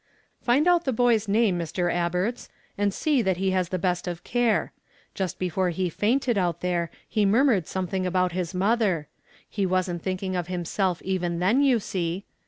"Find out the boy's name, Mr. Abertz, and see that he has the best of care. Just before he fainted out there he murmured something about his mother. He wasn't thinking of himself even then, you see.